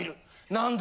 何だ？